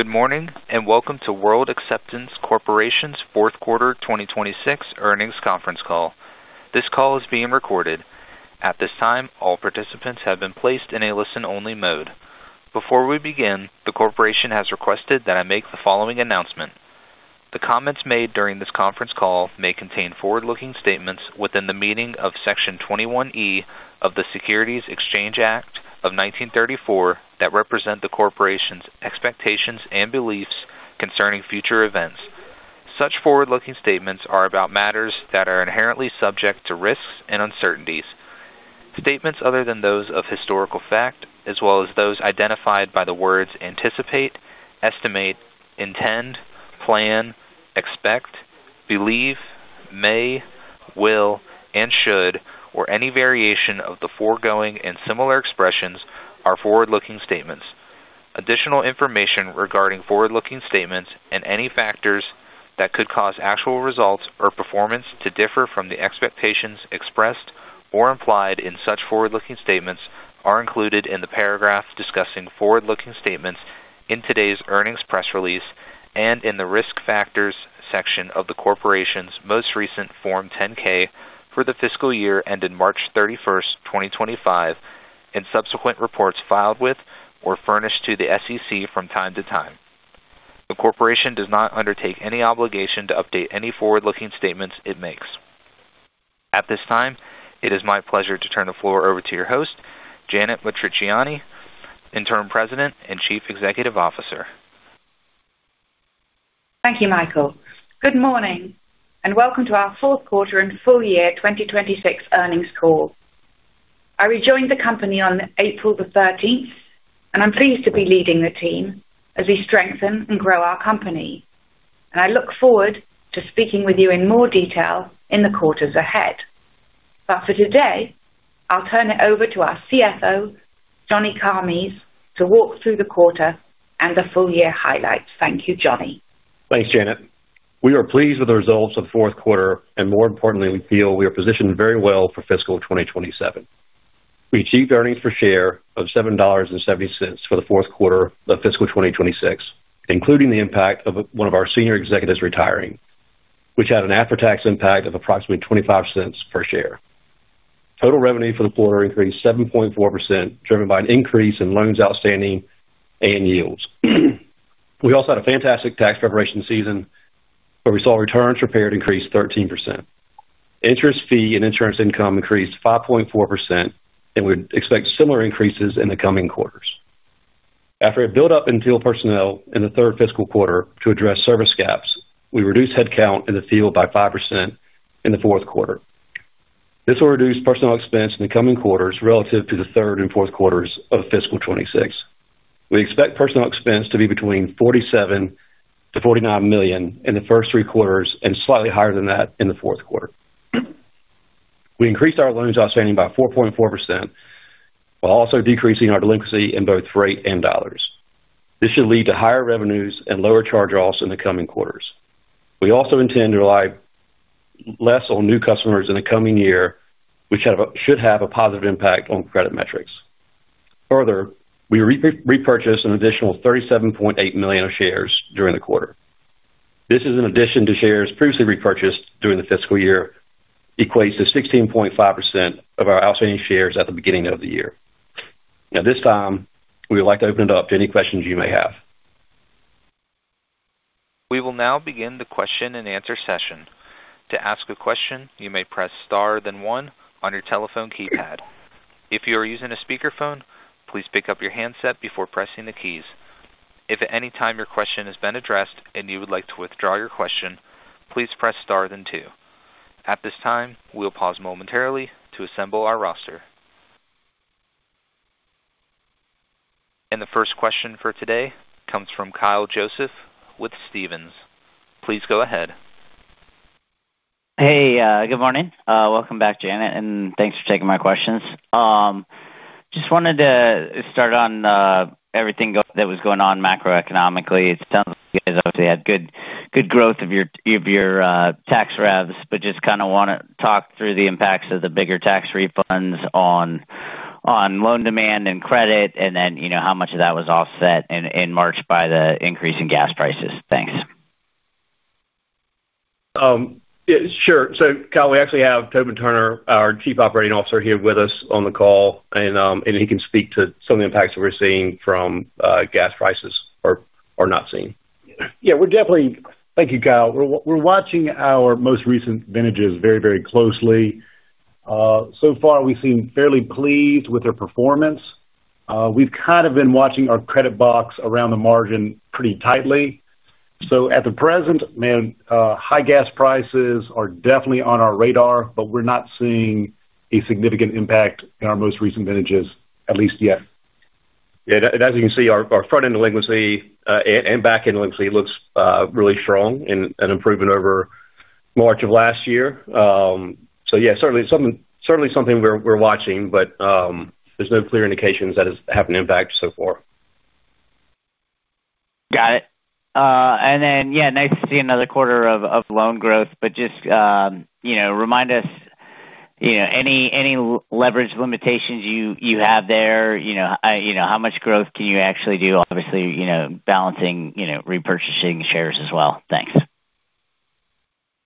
Good morning, welcome to World Acceptance Corporation's fourth quarter 2026 earnings conference call. This call is being recorded. At this time, all participants have been placed in a listen-only mode. Before we begin, the corporation has requested that I make the following announcement. The comments made during this conference call may contain forward-looking statements within the meaning of Section 21E of the Securities Exchange Act of 1934 that represent the corporation's expectations and beliefs concerning future events. Such forward-looking statements are about matters that are inherently subject to risks and uncertainties. Statements other than those of historical fact, as well as those identified by the words anticipate, estimate, intend, plan, expect, believe, may, will, and should, or any variation of the foregoing and similar expressions are forward-looking statements. Additional information regarding forward-looking statements and any factors that could cause actual results or performance to differ from the expectations expressed or implied in such forward-looking statements are included in the paragraph discussing forward-looking statements in today's earnings press release and in the Risk Factors section of the corporation's most recent Form 10-K for the fiscal year ended March 31st, 2025, and subsequent reports filed with or furnished to the SEC from time to time. The corporation does not undertake any obligation to update any forward-looking statements it makes. At this time, it is my pleasure to turn the floor over to your host, Janet Matricciani, Interim President and Chief Executive Officer. Thank you, Michael. Good morning, welcome to our fourth quarter and full year 2026 earnings call. I rejoined the company on April the 13th, I'm pleased to be leading the team as we strengthen and grow our company. I look forward to speaking with you in more detail in the quarters ahead. For today, I'll turn it over to our CFO, Johnny Calmes, to walk through the quarter and the full year highlights. Thank you, Johnny. Thanks, Janet. We are pleased with the results of the fourth quarter. More importantly, we feel we are positioned very well for fiscal 2027. We achieved earnings per share of $7.70 for the fourth quarter of fiscal 2026, including the impact of one of our senior executives retiring, which had an after-tax impact of approximately $0.25 per share. Total revenue for the quarter increased 7.4%, driven by an increase in loans outstanding and yields. We also had a fantastic tax preparation season where we saw returns prepared increase 13%. Interest fee and insurance income increased 5.4%, and we expect similar increases in the coming quarters. After a build-up in field personnel in the third fiscal quarter to address service gaps, we reduced headcount in the field by 5% in the fourth quarter. This will reduce personnel expense in the coming quarters relative to the third and fourth quarters of fiscal 2026. We expect personnel expense to be between $47 million-$49 million in the first 3 quarters and slightly higher than that in the fourth quarter. We increased our loans outstanding by 4.4% while also decreasing our delinquency in both rate and dollars. This should lead to higher revenues and lower charge-offs in the coming quarters. We also intend to rely less on new customers in the coming year, which should have a positive impact on credit metrics. We repurchased an additional $37.8 million of shares during the quarter. This is an addition to shares previously repurchased during the fiscal year, equates to 16.5% of our outstanding shares at the beginning of the year. Now, at this time, we would like to open it up to any questions you may have. We will now begin the question-and-answer session. To ask a question, you may press star then one on your telephone keypad. If you are using a speakerphone, please pick up your handset before pressing the keys. If at any time your question has been addressed and you would like to withdraw your question, please press star then two. At this time, we'll pause momentarily to assemble our roster. The first question for today comes from Kyle Joseph with Stephens. Please go ahead. Hey, good morning. Welcome back, Janet, thanks for taking my questions. Just wanted to start on everything that was going on macroeconomically. It sounds like you guys obviously had good growth of your tax revs, just kinda wanna talk through the impacts of the bigger tax refunds on loan demand and credit then, you know, how much of that was offset in March by the increase in gas prices. Thanks. yeah, sure. Kyle, we actually have Tobin Turner, our Chief Operating Officer, here with us on the call, and he can speak to some of the impacts that we're seeing from gas prices or not seeing. Yeah. Thank you, Kyle. We're watching our most recent vintages very, very closely. We seem fairly pleased with their performance. We've kind of been watching our credit box around the margin pretty tightly. At the present, man, high gas prices are definitely on our radar, but we're not seeing a significant impact in our most recent vintages, at least yet. Yeah, as you can see, our front-end delinquency and back-end delinquency looks really strong and improving over March of last year. Yeah, certainly something we're watching, there's no clear indications that it's having an impact so far. Got it. Yeah, nice to see another quarter of loan growth, just, you know, remind us, you know, any leverage limitations you have there. You know, you know, how much growth can you actually do, obviously, you know, balancing, you know, repurchasing shares as well. Thanks.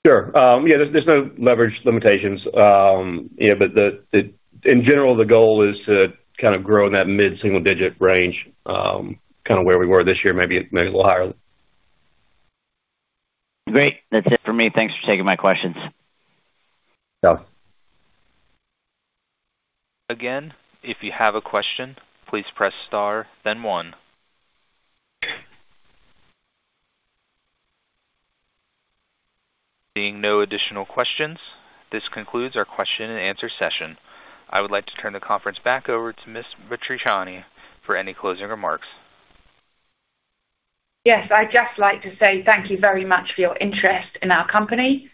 Sure. Yeah, there's no leverage limitations. You know, in general, the goal is to kind of grow in that mid-single-digit range, kind of where we were this year, maybe a little higher. Great. That's it for me. Thanks for taking my questions. Yeah. Again, if you have a question, please press star then one. Seeing no additional questions, this concludes our question-and-answer session. I would like to turn the conference back over to Ms. Matricciani for any closing remarks. Yes. I'd just like to say thank you very much for your interest in our company,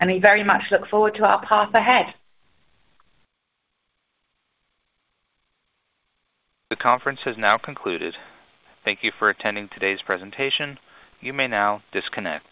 and we very much look forward to our path ahead. The conference has now concluded. Thank you for attending today's presentation. You may now disconnect.